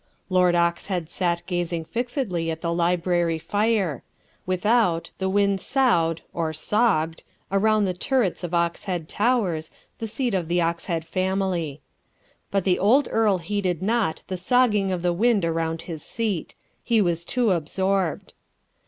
Lord Oxhead sat gazing fixedly at the library fire. Without, the wind soughed (or sogged) around the turrets of Oxhead Towers, the seat of the Oxhead family. But the old earl heeded not the sogging of the wind around his seat. He was too absorbed.